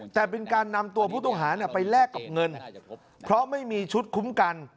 แต่เป็นการนำตัวผู้ต้องหาไปแลกกับเงินเพราะไม่มีชุดคุ้มกัน